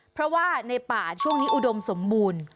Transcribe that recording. เพราะว่าในป่าช่วงนี้อุดมสมบูรณ์